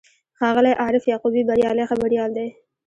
ښاغلی عارف یعقوبي بریالی خبریال دی.